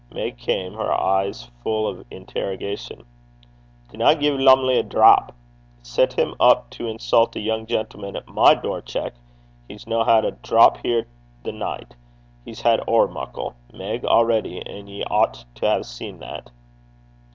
Meg came, her eyes full of interrogation. 'Dinna gie Lumley a drap. Set him up to insult a young gentleman at my door cheek! He s' no hae a drap here the nicht. He's had ower muckle, Meg, already, an' ye oucht to hae seen that.'